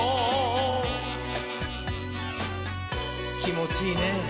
きもちいいねぇ。